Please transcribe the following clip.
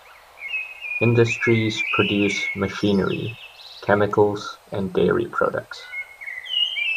Industries produce machinery, chemicals and dairy products.